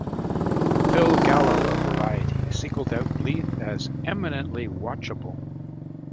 Phil Gallo of "Variety" singled out Bleeth as "eminently watchable".